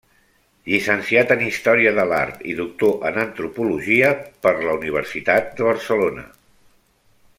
Llicenciat en Història de l'art i doctor en Antropologia per la Universitat de Barcelona.